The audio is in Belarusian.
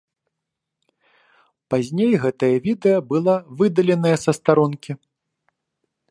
Пазней гэтае відэа было выдаленае са старонкі.